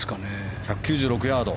１９６ヤード。